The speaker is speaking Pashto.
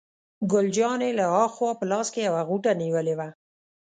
ګل جانې له ها خوا په لاس کې یوه غوټه نیولې وه.